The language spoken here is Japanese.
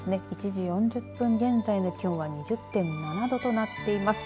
１時４０分現在の気温は２０．７度となっています。